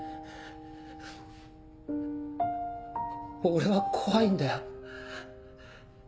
俺は怖いんだよ。